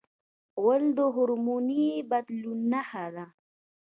غول د هورموني بدلون نښه ده.